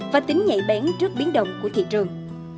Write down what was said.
và tính nhạy bén trước biến động của thị trường